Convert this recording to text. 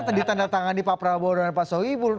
tadi tanda tangan di pak prabowo dan sohibul